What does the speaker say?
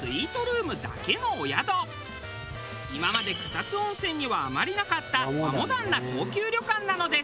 今まで草津温泉にはあまりなかった和モダンな高級旅館なのです。